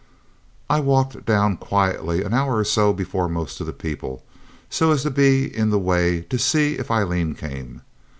I walked down quietly an hour or so before most of the people, so as to be in the way to see if Aileen came.